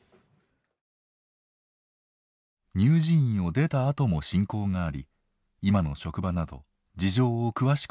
乳児院を出たあとも親交があり今の職場など事情を詳しく知っています。